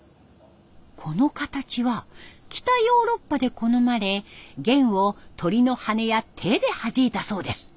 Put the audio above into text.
この形は北ヨーロッパで好まれ弦を鳥の羽根や手ではじいたそうです。